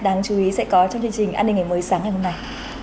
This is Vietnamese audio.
đáng chú ý sẽ có trong chương trình an ninh ngày mới sáng ngày hôm nay